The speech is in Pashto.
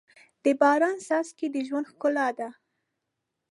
د باران څاڅکي د ژوند ښکلا ده.